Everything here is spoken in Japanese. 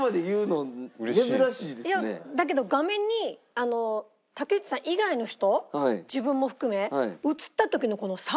いやだけど画面に竹内さん以外の人自分も含め映った時のこの差。